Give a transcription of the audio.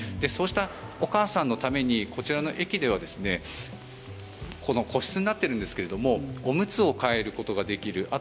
そうしたお母さんのためにこちらの駅では個室になっているんですがおむつを替えることができる